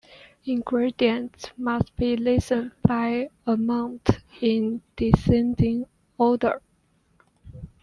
Ingredients must be listed by amount in descending order.